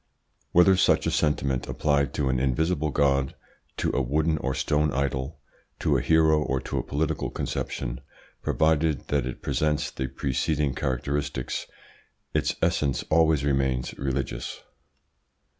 Whether such a sentiment apply to an invisible God, to a wooden or stone idol, to a hero or to a political conception, provided that it presents the preceding characteristics, its essence always remains religious.